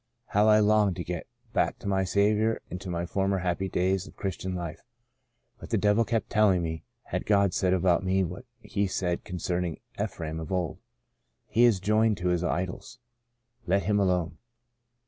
How I longed to get back to my Saviour and to the former happy days of Christian life ; but the devil kept telling me God had said about hie what He said concerning Ephraim of old, * He is joined to his idols, let him alone.'